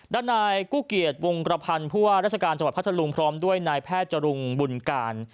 ด้านนายกู้เกียจวงกระพันธ์ผู้ว่าราชการจังหวัดพัทธรุงพร้อมด้วยนายแพทย์จรุงบุญการ